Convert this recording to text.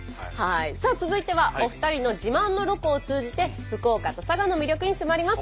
さあ続いてはお二人の自慢のロコを通じて福岡と佐賀の魅力に迫ります。